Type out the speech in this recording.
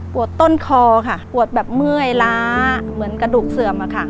ต้นคอค่ะปวดแบบเมื่อยล้าเหมือนกระดูกเสื่อมอะค่ะ